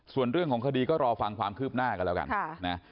ส่วนเรื่องของคดีก็รอฟังความคืบหน้ากันแล้วกัน